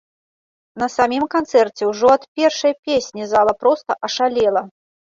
На самім канцэрце ўжо ад першай песні зала проста ашалела.